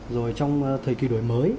rồi trong thời kỳ đổi mới